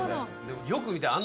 でもよく見たら。